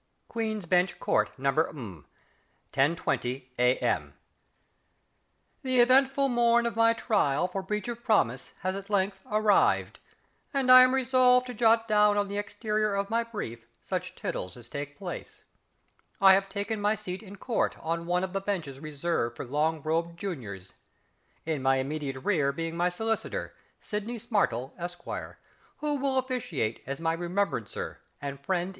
_ Queen's Bench Court, No. , 10.20 A.M. The eventful morn of my trial for Breach of Promise has at length arrived, and I am resolved to jot down on the exterior of my brief such tittles as take place. I have taken my seat in Court on one of the benches reserved for long robed juniors; in my immediate rear being my solicitor, SIDNEY SMARTLE, Esq., who will officiate as my Remembrancer and Friend in Need.